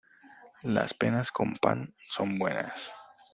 Las penas con pan son buenas.